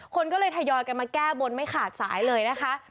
คนก็เลยทยอยกันมาแก้บนไม่ขาดสายเลยนะคะ